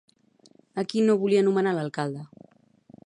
A qui no volia nomenar alcalde?